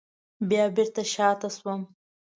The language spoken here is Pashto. بیا بېرته شاته شوم.